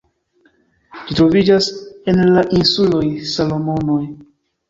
Ĝi troviĝas en la insuloj Salomonoj.